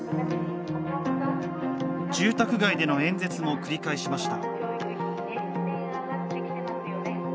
住宅街での演説も繰り返しました。